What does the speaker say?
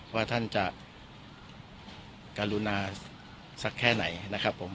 ว่าท่านจะกรุณาสักแค่ไหนนะครับผม